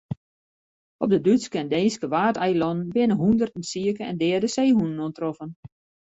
Op de Dútske en Deenske Waadeilannen binne hûnderten sike en deade seehûnen oantroffen.